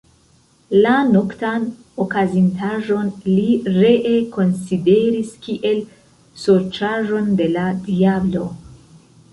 La noktan okazintaĵon li ree konsideris kiel sorĉaĵon de la diablo.